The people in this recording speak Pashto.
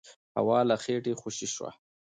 هوا له خېټې خوشې شوه.